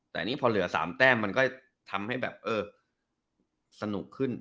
แต่พอเหลือ๓แต้มมันก็ทำให้สนุกขึ้น